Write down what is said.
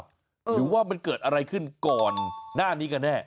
หรือว่ามันเกิดอะไรขึ้นก่อนหน้านี้กันแน่